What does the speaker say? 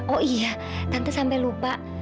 oh iya tante sampai lupa